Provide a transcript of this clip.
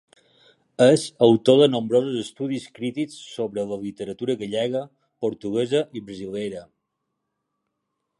És autor de nombrosos estudis crítics sobre la literatura gallega, portuguesa i brasilera.